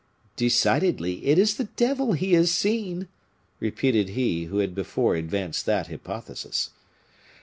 "Decidedly, it is the devil he has seen," repeated he who had before advanced that hypothesis.